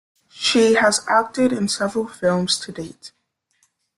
She has acted in several films to date.